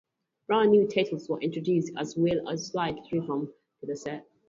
Brand new titles were introduced as well as a slight revamp to the set.